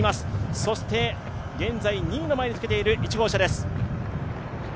そして現在２位の前につけている１号車です。